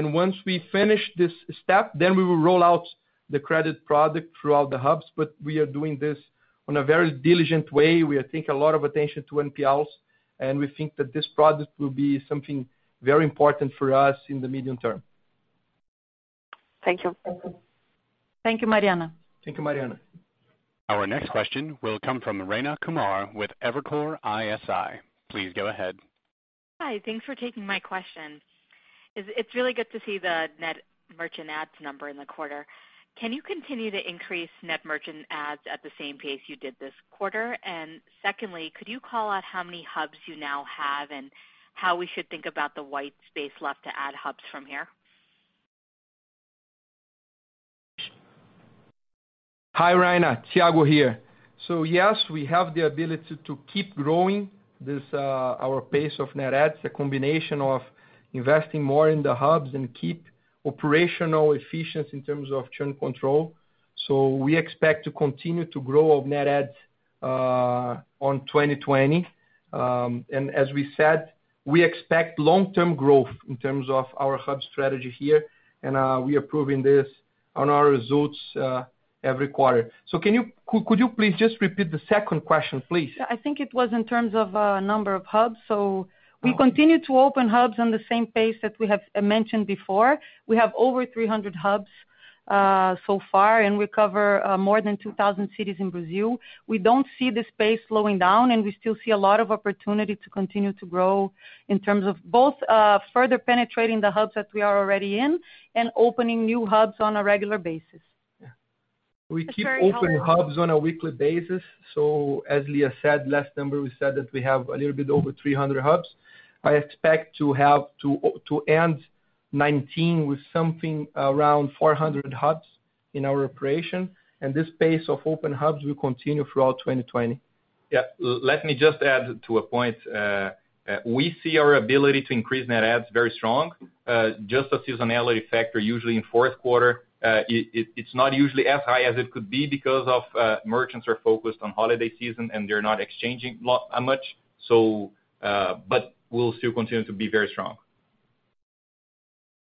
Once we finish this step, we will roll out the credit product throughout the hubs. We are doing this on a very diligent way. We are taking a lot of attention to NPLs, and we think that this product will be something very important for us in the medium term. Thank you. Thank you, Mariana. Thank you, Mariana. Our next question will come from Rayna Kumar with Evercore ISI. Please go ahead. Hi. Thanks for taking my question. It's really good to see the net merchant adds number in the quarter. Can you continue to increase net merchant adds at the same pace you did this quarter? Secondly, could you call out how many hubs you now have and how we should think about the white space left to add hubs from here? Hi, Rayna. Thiago here. Yes, we have the ability to keep growing our pace of net adds, a combination of investing more in the hubs and keep operational efficiency in terms of churn control. We expect to continue to grow our net adds on 2020. As we said, we expect long-term growth in terms of our hub strategy here, and we are proving this on our results every quarter. Could you please just repeat the second question, please? I think it was in terms of number of hubs. We continue to open hubs on the same pace that we have mentioned before. We have over 300 hubs so far, and we cover more than 2,000 cities in Brazil. We don't see the space slowing down, and we still see a lot of opportunity to continue to grow in terms of both further penetrating the hubs that we are already in and opening new hubs on a regular basis. We keep open hubs on a weekly basis. As Lia said, last number, we said that we have a little bit over 300 hubs. I expect to end 2019 with something around 400 hubs in our operation, and this pace of open hubs will continue throughout 2020. Yeah. Let me just add to a point. We see our ability to increase net adds very strong. Just a seasonality factor usually in fourth quarter, it's not usually as high as it could be because of merchants are focused on holiday season, and they're not exchanging much. We'll still continue to be very strong.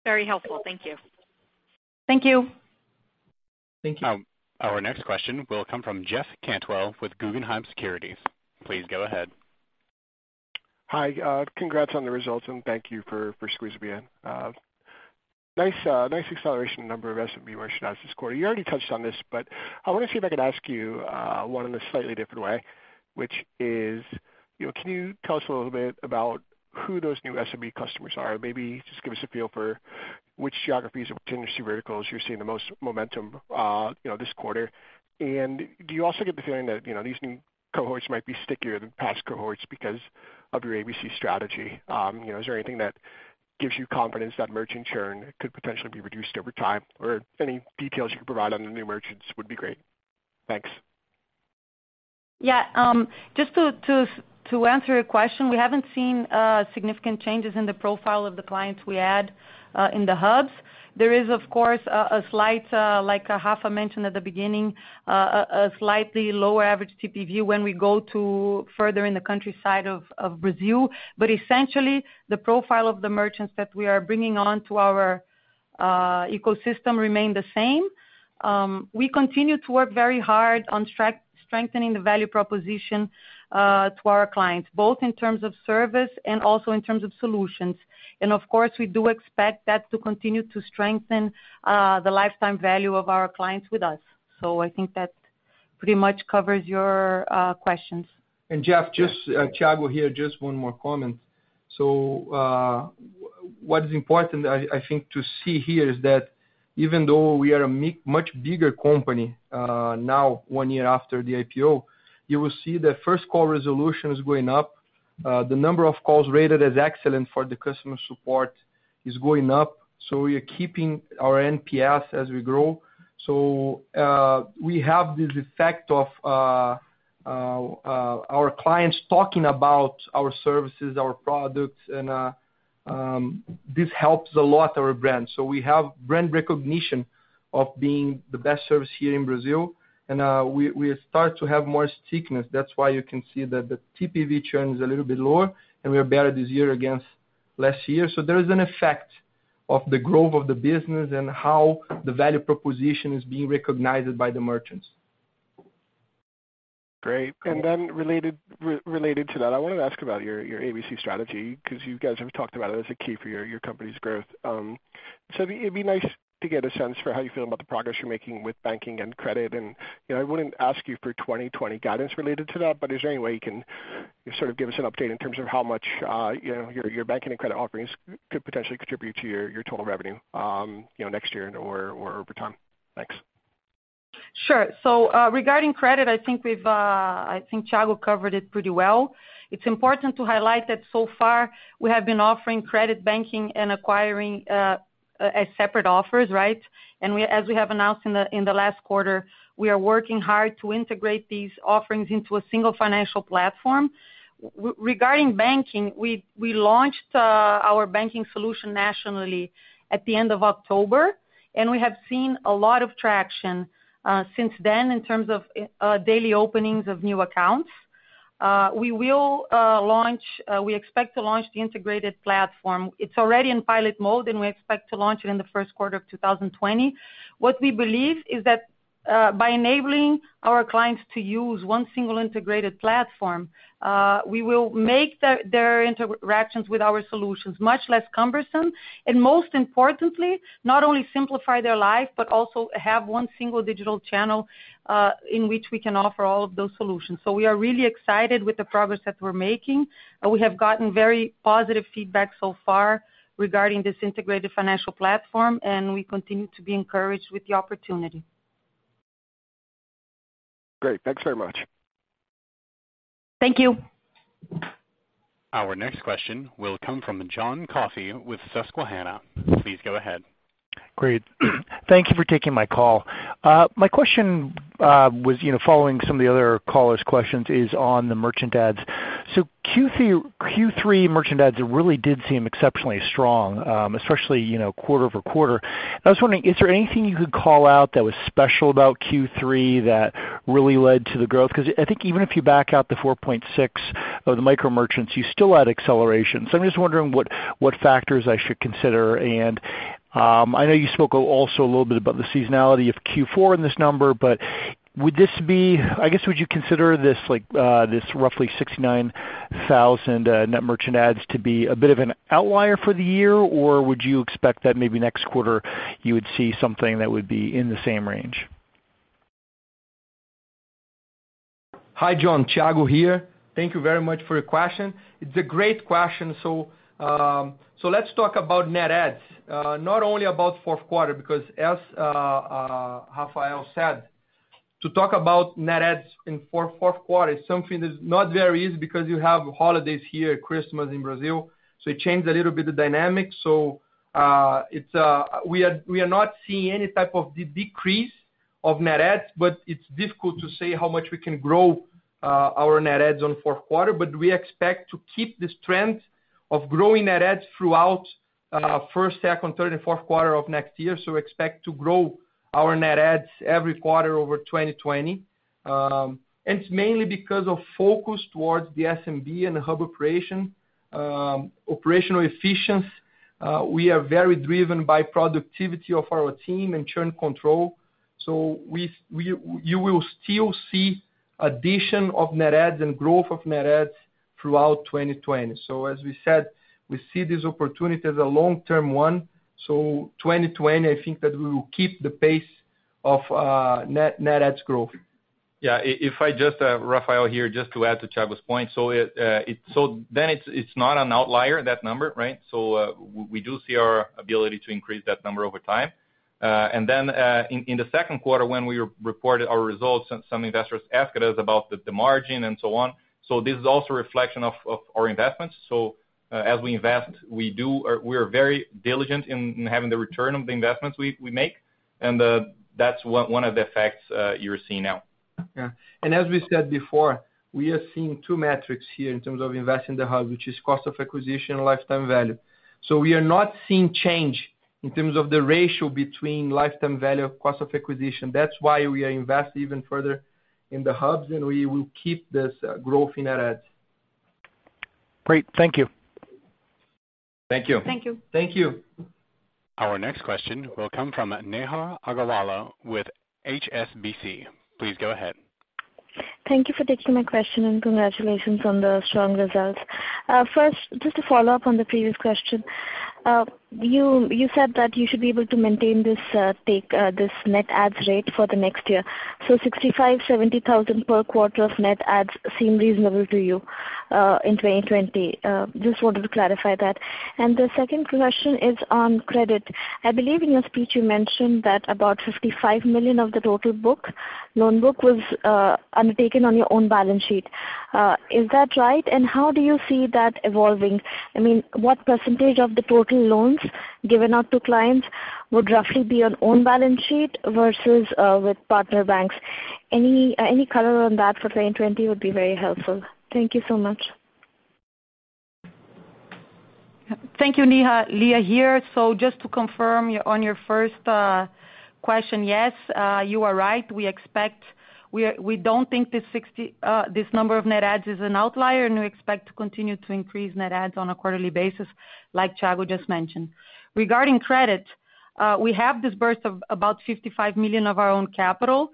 Very helpful. Thank you. Thank you. Thank you. Our next question will come from Jeff Cantwell with Guggenheim Securities. Please go ahead. Hi. Congrats on the results, thank you for squeezing me in. Nice acceleration in the number of SMB merchants this quarter. You already touched on this, I want to see if I could ask you one in a slightly different way, which is, can you tell us a little bit about who those new SMB customers are? Maybe just give us a feel for which geographies or which industry verticals you're seeing the most momentum this quarter. Do you also get the feeling that these new cohorts might be stickier than past cohorts because of your ABC strategy? Is there anything that gives you confidence that merchant churn could potentially be reduced over time? Any details you could provide on the new merchants would be great. Thanks. Yeah. Just to answer your question, we haven't seen significant changes in the profile of the clients we add in the hubs. There is, of course, a slight, like Rafa mentioned at the beginning, a slightly lower average TPV when we go to further in the countryside of Brazil. Essentially, the profile of the merchants that we are bringing on to our ecosystem remain the same. We continue to work very hard on strengthening the value proposition to our clients, both in terms of service and also in terms of solutions. Of course, we do expect that to continue to strengthen the lifetime value of our clients with us. I think that pretty much covers your questions. Jeff, Thiago here, just one more comment. What is important, I think to see here is that even though we are a much bigger company now, one year after the IPO, you will see the first call resolution is going up. The number of calls rated as excellent for the customer support is going up. We are keeping our NPS as we grow. We have this effect of our clients talking about our services, our products, and this helps a lot our brand. We have brand recognition of being the best service here in Brazil, and we start to have more stickiness. That's why you can see that the TPV churn is a little bit lower, and we are better this year against last year. There is an effect of the growth of the business and how the value proposition is being recognized by the merchants. Great. Then related to that, I wanted to ask about your ABC strategy, because you guys have talked about it as a key for your company's growth. It'd be nice to get a sense for how you feel about the progress you're making with banking and credit. I wouldn't ask you for 2020 guidance related to that, but is there any way you can sort of give us an update in terms of how much your banking and credit offerings could potentially contribute to your total revenue next year or over time? Thanks. Sure. Regarding credit, I think Thiago covered it pretty well. It's important to highlight that so far we have been offering credit, banking, and acquiring as separate offers, right? As we have announced in the last quarter, we are working hard to integrate these offerings into a single financial platform. Regarding banking, we launched our banking solution nationally at the end of October, and we have seen a lot of traction since then in terms of daily openings of new accounts. We expect to launch the integrated platform. It's already in pilot mode, and we expect to launch it in the first quarter of 2020. What we believe is that by enabling our clients to use one single integrated platform, we will make their interactions with our solutions much less cumbersome. Most importantly, not only simplify their life, but also have one single digital channel, in which we can offer all of those solutions. We are really excited with the progress that we're making. We have gotten very positive feedback so far regarding this integrated financial platform, and we continue to be encouraged with the opportunity. Great. Thanks very much. Thank you. Our next question will come from John Coffey with Susquehanna. Please go ahead. Great. Thank you for taking my call. My question was following some of the other callers' questions is on the merchant adds. Q3 merchant adds really did seem exceptionally strong, especially quarter-over-quarter. I was wondering, is there anything you could call out that was special about Q3 that really led to the growth? Because I think even if you back out the 4.6 of the micro-merchants, you still had acceleration. I'm just wondering what factors I should consider. I know you spoke also a little bit about the seasonality of Q4 in this number, but I guess, would you consider this roughly 69,000 net merchant adds to be a bit of an outlier for the year, or would you expect that maybe next quarter you would see something that would be in the same range? Hi, John. Thiago here. Thank you very much for your question. It's a great question. Let's talk about net adds, not only about fourth quarter, because as Rafael said, to talk about net adds in fourth quarter is something that's not very easy because you have holidays here, Christmas in Brazil, it changed a little bit the dynamic. We are not seeing any type of decrease of net adds, but it's difficult to say how much we can grow our net adds on fourth quarter. We expect to keep this trend of growing net adds throughout first, second, third, and fourth quarter of next year. Expect to grow our net adds every quarter over 2020. It's mainly because of focus towards the SMB and the hub operation, operational efficiency. We are very driven by productivity of our team and churn control. You will still see addition of net adds and growth of net adds throughout 2020. As we said, we see this opportunity as a long-term one. 2020, I think that we will keep the pace of net adds growth. Yeah. Rafael here, just to add to Thiago's point. It's not an outlier, that number, right? We do see our ability to increase that number over time. In the second quarter when we reported our results, some investors asked us about the margin and so on. This is also a reflection of our investments. As we invest, we are very diligent in having the return on the investments we make. That's one of the effects you're seeing now. Yeah. As we said before, we are seeing two metrics here in terms of investing in the hub, which is cost of acquisition and lifetime value. We are not seeing change in terms of the ratio between lifetime value, cost of acquisition. That's why we are invest even further in the hubs, and we will keep this growth in net adds. Great. Thank you. Thank you. Thank you. Thank you. Our next question will come from Neha Agarwala with HSBC. Please go ahead. Thank you for taking my question, and congratulations on the strong results. First, just a follow-up on the previous question. You said that you should be able to maintain this net adds rate for the next year. 65,000, 70,000 per quarter of net adds seem reasonable to you in 2020? Just wanted to clarify that. The second question is on credit. I believe in your speech you mentioned that about 55 million of the total loan book was undertaken on your own balance sheet. Is that right? How do you see that evolving? I mean, what percentage of the total loans given out to clients would roughly be on own balance sheet versus with partner banks? Any color on that for 2020 would be very helpful. Thank you so much. Thank you, Neha. Lia here. Just to confirm on your first question, yes, you are right. We don't think this number of net adds is an outlier, and we expect to continue to increase net adds on a quarterly basis, like Thiago just mentioned. Regarding credit, we have disbursed about 55 million of our own capital.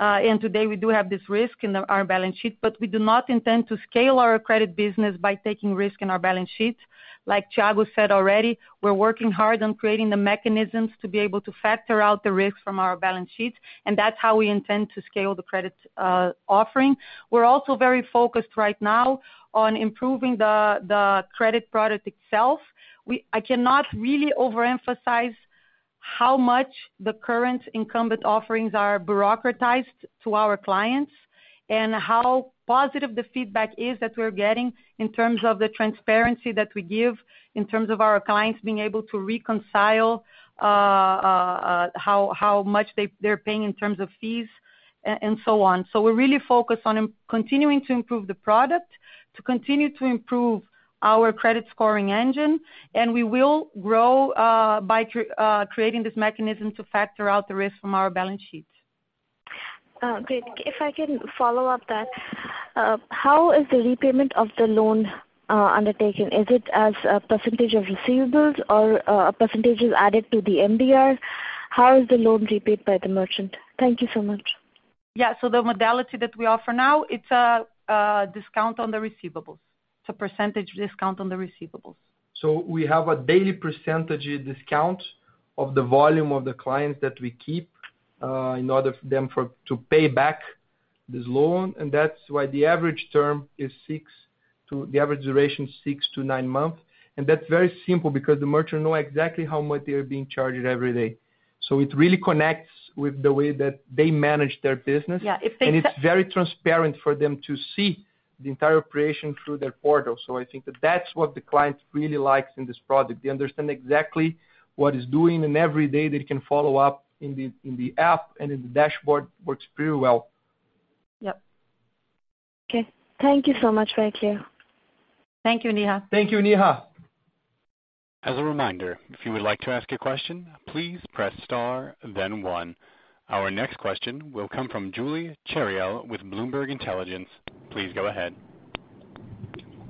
Today we do have this risk in our balance sheet, but we do not intend to scale our credit business by taking risk in our balance sheets. Like Thiago said already, we're working hard on creating the mechanisms to be able to factor out the risk from our balance sheets, and that's how we intend to scale the credit offering. We're also very focused right now on improving the credit product itself. I cannot really overemphasize how much the current incumbent offerings are bureaucratized to our clients, and how positive the feedback is that we're getting in terms of the transparency that we give, in terms of our clients being able to reconcile how much they're paying in terms of fees, and so on. We're really focused on continuing to improve the product, to continue to improve our credit scoring engine. We will grow by creating this mechanism to factor out the risk from our balance sheets. Great. If I can follow up that, how is the repayment of the loan undertaken? Is it as a percentage of receivables or a percentage is added to the MDR? How is the loan repaid by the merchant? Thank you so much. The modality that we offer now, it's a discount on the receivables. It's a percentage discount on the receivables. We have a daily percentage discount of the volume of the clients that we keep in order for them to pay back this loan. That's why the average duration is 6-9 months. That's very simple because the merchant know exactly how much they are being charged every day. It really connects with the way that they manage their business. Yeah. It's very transparent for them to see the entire operation through their portal. I think that that's what the client really likes in this product. They understand exactly what it's doing, and every day they can follow up in the app and in the dashboard. Works pretty well. Yep. Okay. Thank you so much. Very clear. Thank you, Neha. Thank you, Neha. As a reminder, if you would like to ask a question, please press star then one. Our next question will come from Julie Chariell with Bloomberg Intelligence. Please go ahead.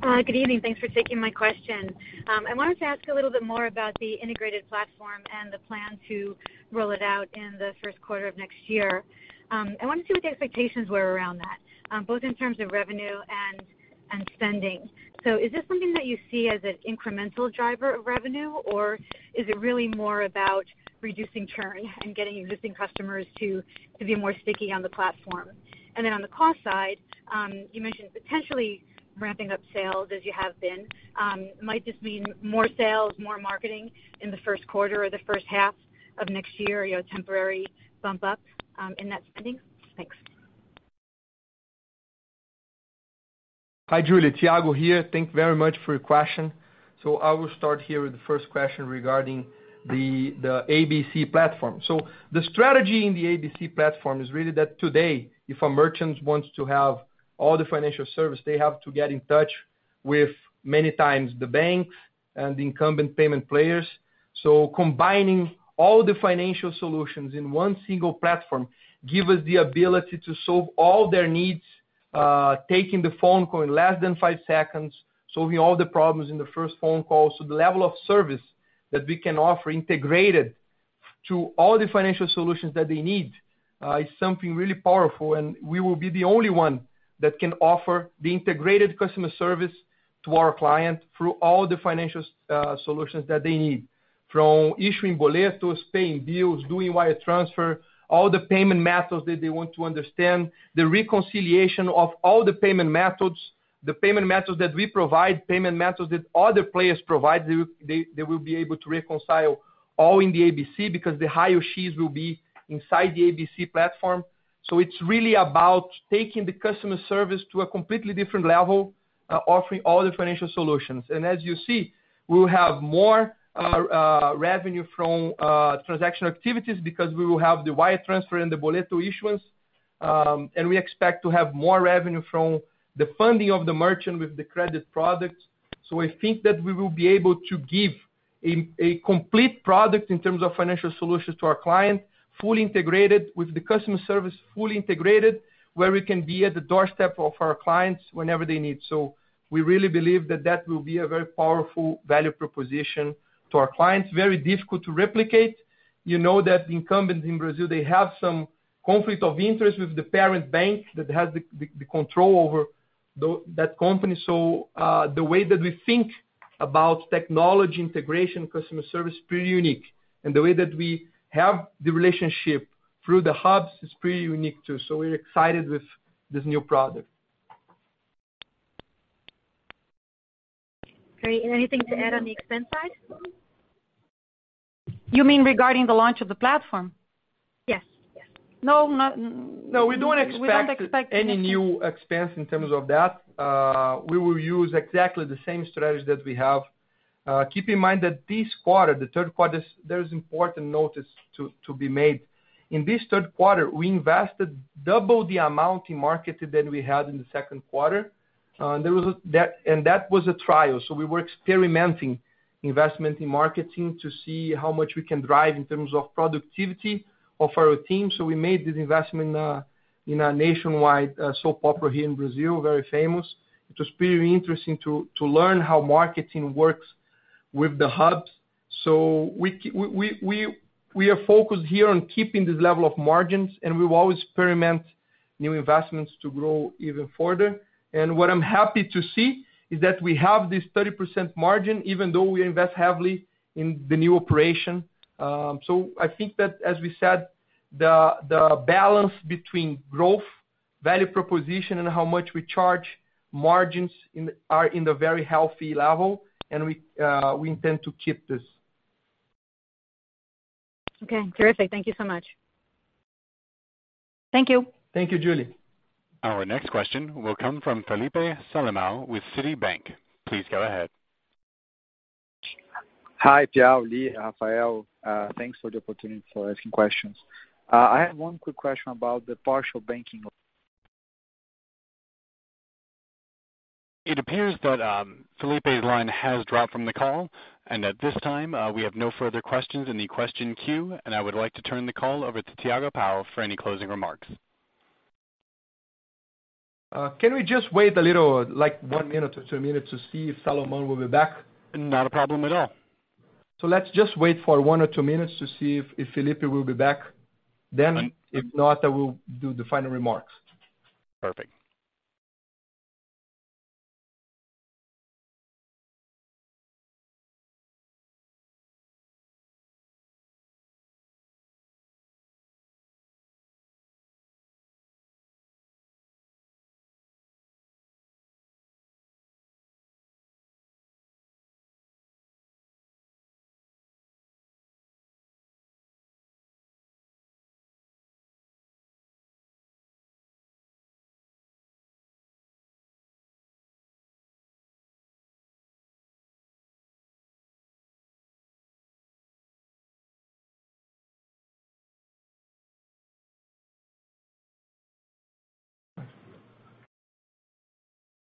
Good evening. Thanks for taking my question. I wanted to ask a little bit more about the integrated platform and the plan to roll it out in the first quarter of next year. I wanted to see what the expectations were around that, both in terms of revenue and spending. Is this something that you see as an incremental driver of revenue, or is it really more about reducing churn and getting existing customers to be more sticky on the platform? On the cost side, you mentioned potentially ramping up sales as you have been. Might this mean more sales, more marketing in the first quarter or the first half of next year, a temporary bump up in that spending? Thanks. Hi, Julie. Thiago here. Thank you very much for your question. I will start here with the first question regarding the ABC platform. The strategy in the ABC platform is really that today, if a merchant wants to have all the financial service, they have to get in touch with, many times, the banks and the incumbent payment players. Combining all the financial solutions in one single platform give us the ability to solve all their needs, taking the phone call in less than five seconds, solving all the problems in the first phone call. The level of service that we can offer integrated to all the financial solutions that they need is something really powerful, and we will be the only one that can offer the integrated customer service to our client through all the financial solutions that they need, from issuing boleto, paying bills, doing wire transfer, all the payment methods that they want to understand, the reconciliation of all the payment methods, the payment methods that we provide, payment methods that other players provide. They will be able to reconcile all in the ABC because the IOUs will be inside the ABC platform. It's really about taking the customer service to a completely different level, offering all the financial solutions. As you see, we'll have more revenue from transaction activities because we will have the wire transfer and the boleto issuance. We expect to have more revenue from the funding of the merchant with the credit products. I think that we will be able to give a complete product in terms of financial solutions to our client, fully integrated with the customer service, fully integrated, where we can be at the doorstep of our clients whenever they need. We really believe that that will be a very powerful value proposition to our clients. Very difficult to replicate. You know that the incumbents in Brazil, they have some conflict of interest with the parent bank that has the control over that company. The way that we think about technology integration, customer service, pretty unique. The way that we have the relationship through the hubs is pretty unique too. We're excited with this new product. Great. Anything to add on the expense side? You mean regarding the launch of the platform? Yes. No, not- No, we don't expect- We don't expect. any new expense in terms of that. We will use exactly the same strategy that we have. Keep in mind that this quarter, the third quarter, there's important notice to be made. In this third quarter, we invested double the amount in marketing than we had in the second quarter. That was a trial. We were experimenting investment in marketing to see how much we can drive in terms of productivity of our team. We made this investment in a nationwide, soap opera here in Brazil, very famous. It was pretty interesting to learn how marketing works with the hubs. We are focused here on keeping this level of margins, and we will always experiment new investments to grow even further. What I'm happy to see is that we have this 30% margin, even though we invest heavily in the new operation. I think that, as we said, the balance between growth, value proposition, and how much we charge margins are in the very healthy level, and we intend to keep this. Okay, terrific. Thank you so much. Thank you. Thank you, Julie. Our next question will come from Felipe Salomão with Citibank. Please go ahead. Hi, Thiago, Lia, Rafael. Thanks for the opportunity for asking questions. I have one quick question about the partial banking. It appears that Felipe's line has dropped from the call, and at this time, we have no further questions in the question queue, and I would like to turn the call over to Thiago Piau for any closing remarks. Can we just wait a little, like one minute or two minutes to see if Salomão will be back? Not a problem at all. Let's just wait for one or two minutes to see if Felipe will be back then. If not, I will do the final remarks. Perfect.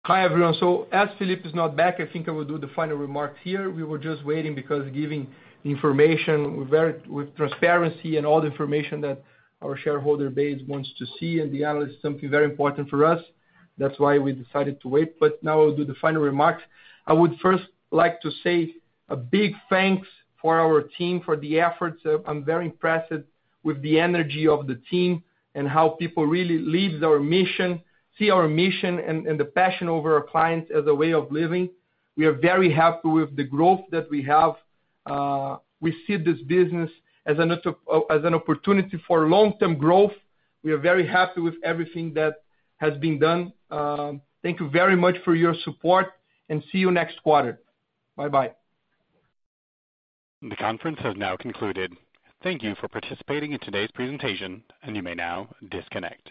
Hi, everyone. As Felipe is not back, I think I will do the final remarks here. We were just waiting because giving information with transparency and all the information that our shareholder base wants to see and the analysts, something very important for us. That's why we decided to wait. Now I'll do the final remarks. I would first like to say a big thanks for our team for the efforts. I'm very impressed with the energy of the team and how people really leads our mission, see our mission, and the passion over our clients as a way of living. We are very happy with the growth that we have. We see this business as an opportunity for long-term growth. We are very happy with everything that has been done. Thank you very much for your support and see you next quarter. Bye-bye. The conference has now concluded. Thank you for participating in today's presentation. You may now disconnect.